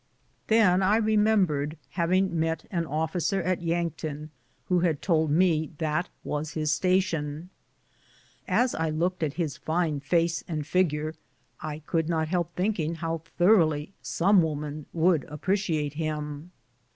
Then I remembered having met an officer at Yankton who had told me that was his station. As I looked at his fine face and figure, I could not help thinking how thoroughly some woman would appreciate him.